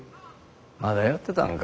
まだやってたんか。